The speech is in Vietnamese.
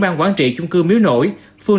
bang quản trị chung cư miếu nổi phương